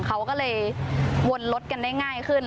เขาก็เลยวนรถกันได้ง่ายขึ้น